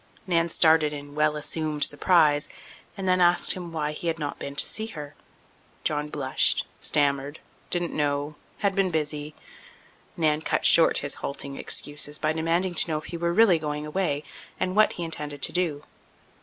Nan started in well assumed surprise and then asked him why he had not been to see her. John blushed—stammered—didn't know—had been busy. Nan cut short his halting excuses by demanding to know if he were really going away, and what he intended to do.